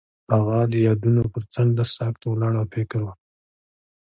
هغه د یادونه پر څنډه ساکت ولاړ او فکر وکړ.